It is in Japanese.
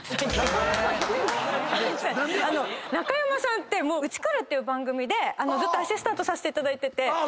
中山さんって『ウチくる⁉』って番組でずっとアシスタントさせていただいてて。